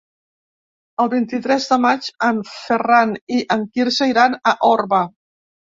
El vint-i-tres de maig en Ferran i en Quirze iran a Orba.